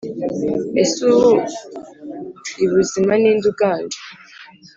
Ese ubu ibuzimu ninde uganje?